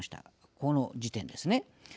この時点ですね。